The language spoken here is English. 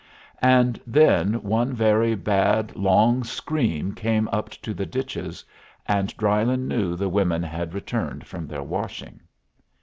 And then one very bad long scream came up to the ditches, and Drylyn knew the women had returned from their washing.